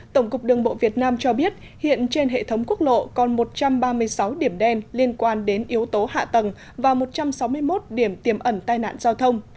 tổng cục đường bộ việt nam cho biết hiện trên hệ thống quốc lộ còn một trăm ba mươi sáu điểm đen liên quan đến yếu tố hạ tầng và một trăm sáu mươi một điểm tiềm ẩn tai nạn giao thông